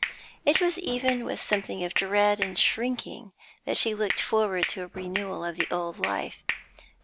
It was even with something of dread and shrinking that she looked forward to a renewal of the old life.